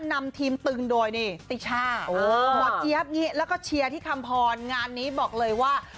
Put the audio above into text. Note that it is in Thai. นำทีมตึงโดยนี่ติช่าอ๋อแล้วก็เชียร์ที่คำพรงานนี้บอกเลยว่า